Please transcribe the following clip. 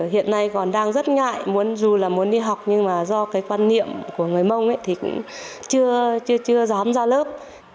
hiện nay còn đang rất ngại dù là muốn đi học nhưng mà do cái quan niệm của người mông ấy thì cũng chưa dám ra lớp